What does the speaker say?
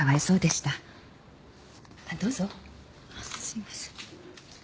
すいません。